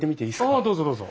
ああどうぞどうぞ。